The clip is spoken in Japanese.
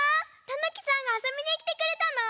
たぬきさんがあそびにきてくれたの？